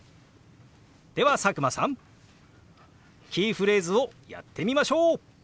では佐久間さんキーフレーズをやってみましょう！